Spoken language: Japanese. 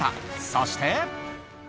そして。